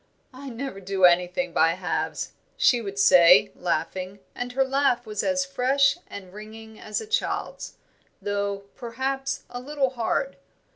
"I never do anything by halves," she would say, laughing, and her laugh was as fresh and ringing as a child's, though, perhaps, a little hard.